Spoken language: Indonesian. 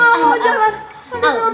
gak mau jalan